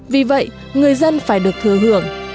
vì vậy người dân phải được thừa hưởng